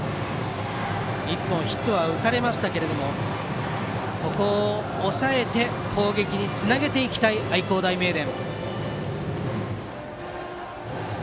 １本ヒットは打たれましたがここを抑えて攻撃につなげていきたい愛工大名電。